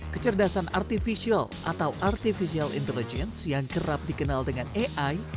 kecerdasan artificial atau artificial intelligence yang kerap dikenal dengan ai